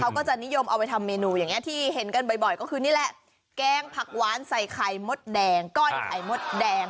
เขาก็จะนิยมเอาไปทำเมนูอย่างนี้ที่เห็นกันบ่อยก็คือนี่แหละแกงผักหวานใส่ไข่มดแดงก้อยไข่มดแดง